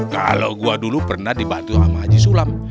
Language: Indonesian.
kalau gue dulu pernah dibantu sama haji sulam